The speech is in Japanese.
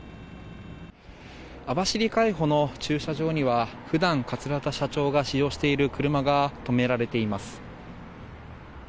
網走海保の駐車場には普段、桂田社長が使用している車が止められています。